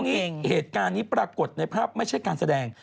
นี่เหตุการณ์นี้ปรากฏในภาพไม่ใช่การแสดง